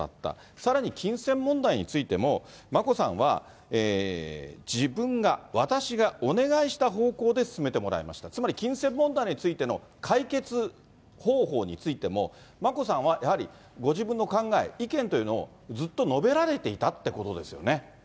さらに金銭問題についても、眞子さんは、自分が、私がお願いした方向で進めてもらいました、つまり金銭問題についての解決方法についても、眞子さんはやはり、ご自分の考え、意見というのを、ずっと述べられていたということですよね？